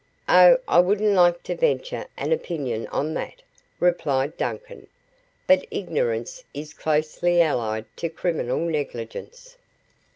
"Oh, I wouldn't like to venture an opinion on that," replied Duncan, "but ignorance is closely allied to criminal negligence."